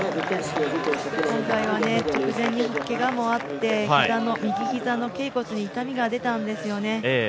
今回は直前にけがもあって、右膝のけい骨に痛みがあったんですよね。